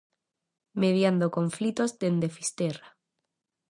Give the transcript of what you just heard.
Mediando conflitos dende Fisterra.